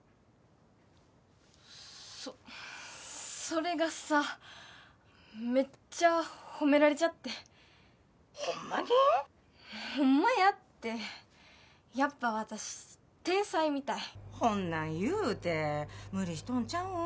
そそれがさめっちゃ褒められちゃって☎ホンマに？ホンマやってやっぱ私天才みたいほんなん言うて無理しとんちゃうん？